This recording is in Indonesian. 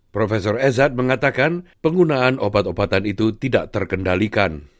prof ezat mengatakan penggunaan obat obatan itu tidak terkendalikan